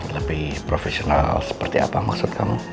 lebih profesional seperti apa maksud kamu